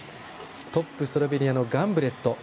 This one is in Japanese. トップスロベニアのガンブレット。